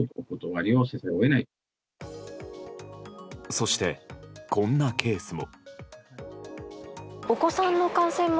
そして、こんなケースも。